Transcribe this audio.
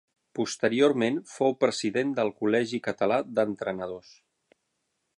Posteriorment fou president del Col·legi Català d'Entrenadors.